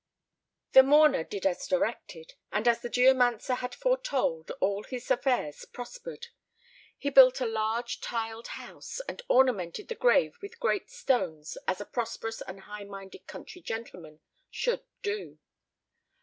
The mourner did as directed, and as the geomancer had foretold, all his affairs prospered. He built a large tiled house, and ornamented the grave with great stones as a prosperous and high minded country gentleman should do.